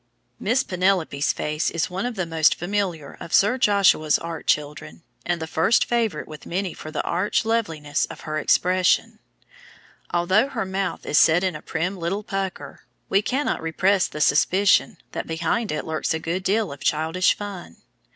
] Miss Penelope's face is one of the most familiar of Sir Joshua's art children, and the first favorite with many for the arch loveliness of her expression. Although her mouth is set in a prim little pucker, we cannot repress the suspicion that behind it lurks a good deal of childish fun.